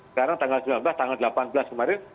sekarang tanggal sembilan belas tanggal delapan belas kemarin